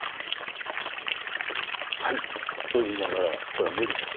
「はい」と言いながらこれは無理です。